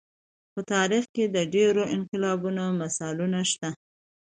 په تاریخ کې د ډېرو انقلابونو مثالونه شته.